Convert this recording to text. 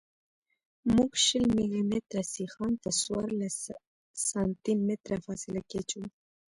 موږ شل ملي متره سیخان په څوارلس سانتي متره فاصله کې اچوو